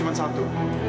dan cinta saya hanya satu